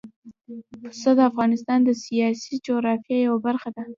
پسه د افغانستان د سیاسي جغرافیه یوه برخه ده.